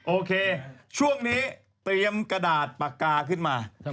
โอเคช่วงนี้เตรียมกระดาษปากกาขึ้นมา